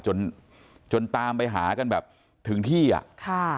จนตามไปหากันแบบถึงที่อะ